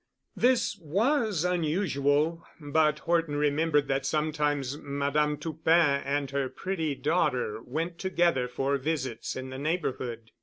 This was unusual, but Horton remembered that sometimes Madame Toupin and her pretty daughter went together for visits in the neighborhood.